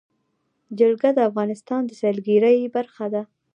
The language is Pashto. جلګه د افغانستان د سیلګرۍ برخه ده.